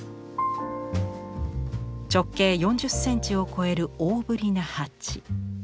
直径４０センチを超える大ぶりな鉢。